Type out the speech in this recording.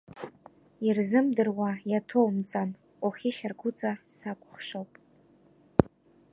Ирзымдыруа иаҭоумҵан, ухьышьаргәыҵа сакәыхшоуп…